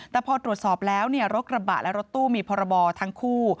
แต่พอตรวจสอบแล้วรถกระบะและรถตู้มีพรบทั้งคู่